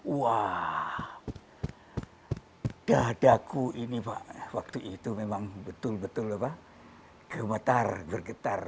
wah dadaku ini pak waktu itu memang betul betul gemetar bergetar